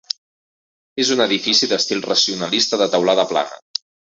És un edifici d'estil racionalista de teulada plana.